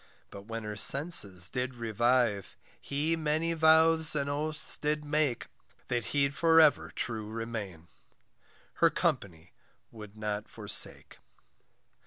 But when her senses did revive, He many vows and oaths did make, That he'd for ever true remain, Her company would not forsake.